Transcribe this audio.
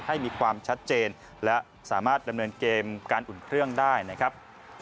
ให้มีความชัดเจนและสามารถดำเนินเกมการอุ่นเครื่องได้นะครับ